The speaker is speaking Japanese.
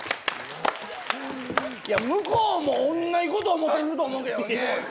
いや向こうもおんなじこと思ってると思うけどね。